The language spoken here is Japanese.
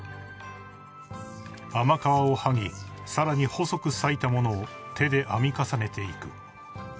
［甘皮を剥ぎさらに細く裂いた物を手で編み重ねていく］